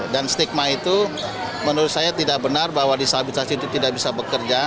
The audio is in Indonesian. dan stigma itu menurut saya tidak benar bahwa disabilitas itu tidak bisa bekerja